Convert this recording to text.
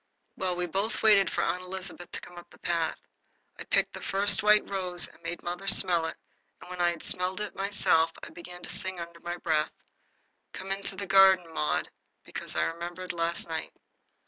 Well, we both waited for Aunt Elizabeth to come up the path. I picked the first white rose and made mother smell it, and when I had smelled it myself I began to sing under my breath, "Come into the garden, Maud," because I remembered last night.